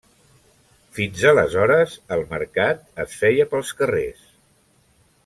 Fins aleshores, el mercat es feia pels carrers.